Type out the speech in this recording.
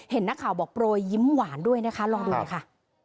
เห็นนักข่าวบอกโปรยยิ้มหวานด้วยนะคะลองดูเลยค่ะ